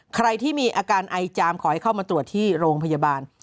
ใครที่มีอาการไอจามขอให้เข้ามาตรวจที่โรงพยาบาล